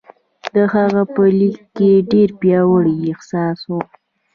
د هغه په لیک کې ډېر پیاوړی احساس و